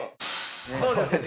どうですか？